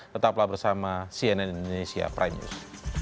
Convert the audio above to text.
tetaplah bersama cnn indonesia prime news